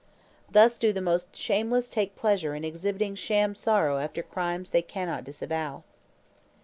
Thus do the most shameless take pleasure in exhibiting sham sorrow after crimes they cannot disavow.